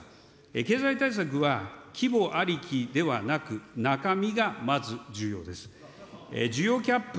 経済対策は、規模ありきではなく、中身がまず重要です。